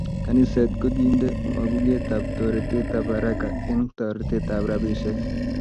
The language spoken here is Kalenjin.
Kaniset kokiende mapuket ab toretet ab haraka eng toretet ab rabisiek